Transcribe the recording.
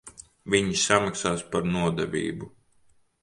Viņi samaksās par nodevību.